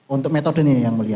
untuk metode nih yang mulia